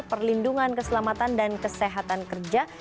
perlindungan keselamatan dan kesehatan kerja